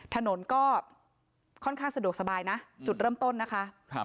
ถนนก็ค่อนข้างสะดวกสบายนะจุดเริ่มต้นนะคะ